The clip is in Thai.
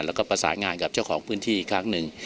แล้วก็ประสานงานกับเจ้าของพื้นที่อีกครั้งหนึ่ง